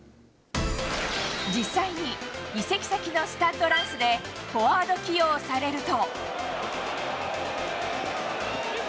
実際に、移籍先のスタッド・ランスで、フォワード起用されると。